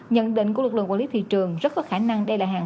nhận định của lực lượng quản lý thị trường rất có khả năng đây là hàng